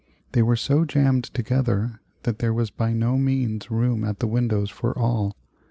They were so jammed together that there was by no means room at the windows for all.